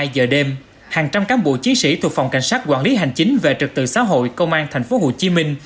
hai mươi hai giờ đêm hàng trăm cán bộ chiến sĩ thuộc phòng cảnh sát quản lý hành chính về trật tự xã hội công an tp hcm